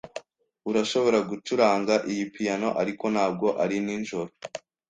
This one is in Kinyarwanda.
Urashobora gucuranga iyi piyano, ariko ntabwo ari nijoro.